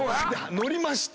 乗りました。